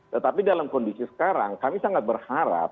tetapi dalam kondisi sekarang kami sangat berharap